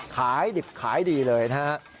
ขายดิบขายดีเลยนะฮะ